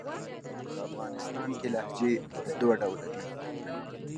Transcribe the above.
په افغانستان کښي لهجې پر دوه ډوله دي.